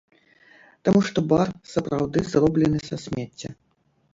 Таму што бар сапраўды зроблены са смецця.